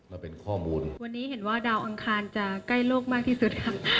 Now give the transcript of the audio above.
มาเป็นข้อมูลวันนี้เห็นว่าดาวอังคารจะใกล้โลกมากที่สุดค่ะ